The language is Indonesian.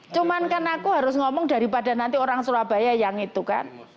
cuman kan aku harus ngomong daripada nanti orang surabaya yang itu kan